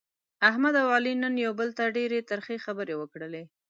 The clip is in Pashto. احمد او علي نن یو بل ته ډېرې ترخې خبرې وکړلې.